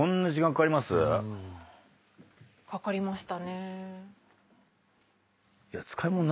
かかりましたね。